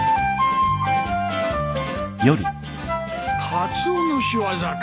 カツオの仕業か。